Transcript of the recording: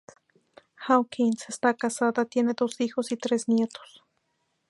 Hawkins está casada, tiene dos hijos y tres nietos.